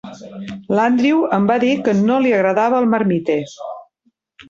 L'Andrew em va dir que no li agradava el Marmite.